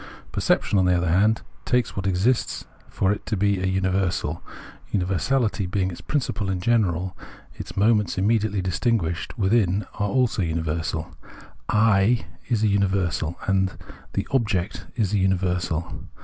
Perception, on the other hand, takes what exists for it to be a universal. Universality being its principle in general, its moments immediately distinguished within it are also universal ; 7 is a imiversal, and the object is a universal.